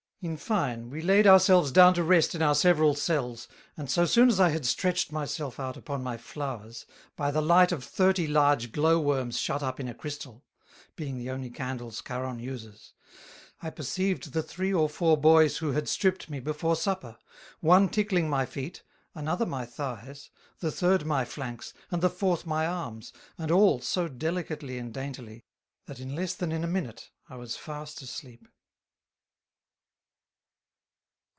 In fine, we laid our selves down to rest in our several Cells, and so soon as I had stretched my self out upon my Flowers, by the light of Thirty large Glow worms shut up in a Crystal, (being the only Candles Charon uses,) I perceived the Three or Four Boys who had stript me before Supper, One tickling my Feet, another my Thighs, the Third my Flanks, and the Fourth my Arms, and all so delicately and daintily, that in less than in a Minute I was fast asleep.